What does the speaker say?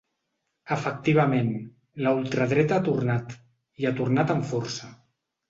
Efectivament, la ultradreta ha tornat, i ha tornat amb força.